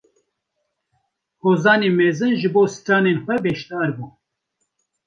Hozanê mezin jî bi stranên xwe beşdar bû